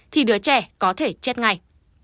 thì đứa trẻ có thể chết ngay